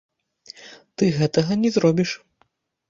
Ты гэтага не зробіш.